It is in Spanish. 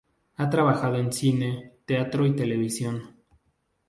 Ha trabajado en cine, teatro y televisión.